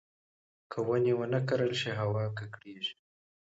که ونې ونه کرل شي، هوا ککړېږي.